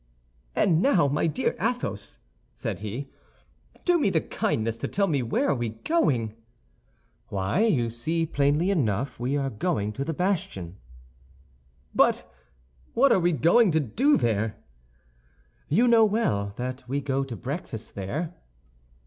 "And now, my dear Athos," said he, "do me the kindness to tell me where we are going?" "Why, you see plainly enough we are going to the bastion." "But what are we going to do there?" "You know well that we go to breakfast there."